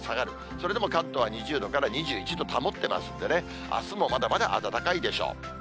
それでも関東は２０度から２１度保ってますんでね、あすもまだまだ暖かいでしょう。